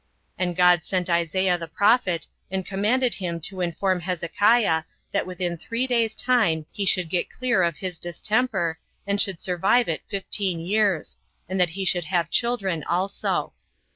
And God sent Isaiah the prophet, and commanded him to inform Hezekiah, that within three days' time he should get clear of his distemper, and should survive it fifteen years, and that he should have children also.